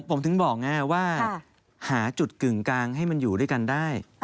ผมถึงบอกว่าหาจุดกึ่งกลางให้มันอยู่ด้วยกันได้